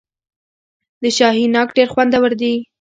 د شاهي ناک ډیر خوندور وي.